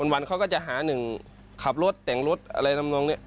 วันเขาก็จะหาหนึ่งขับรถแต่งรถอะไรทำนองนี้